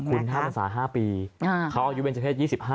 คุณ๕ภาษา๕ปีเขาอยู่เบรจเพศ๒๕